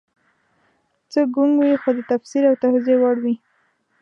څه ګونګ وي خو د تفسیر او توضیح وړ وي